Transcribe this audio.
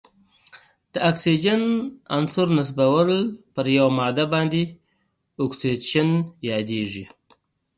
د اکسیجن عنصر نصبول په یوه ماده باندې اکسیدیشن یادیږي.